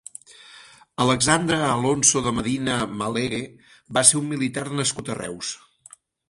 Alexandre Alonso de Medina Malegue va ser un militar nascut a Reus.